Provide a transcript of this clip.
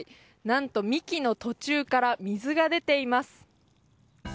何と、幹の途中から水が出ています。